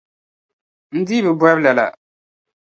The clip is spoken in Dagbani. N dii bi bori lala.